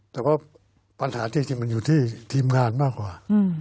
แต่ว่าปัญหาที่จริงมันอยู่ที่ทีมงานมากกว่า